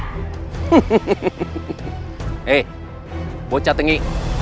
hei bocah tengi